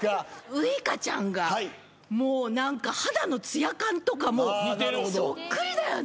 ウイカちゃんがもう何か肌のつや感とかそっくりだよね。